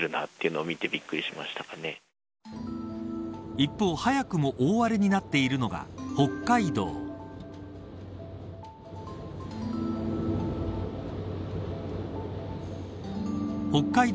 一方、早くも大荒れになっているのが北海道。